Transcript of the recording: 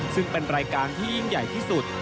ซึ่งเป็นรายการที่ยิ่งใหญ่ที่สุด